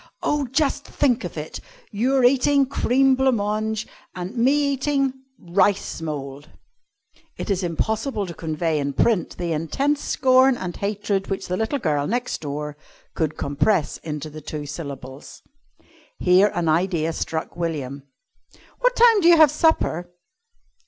"Oh, just think of it! Your eating cream blanc mange and me eating rice mould!" (It is impossible to convey in print the intense scorn and hatred which the little girl next door could compress into the two syllables.) Here an idea struck William. "What time do you have supper?"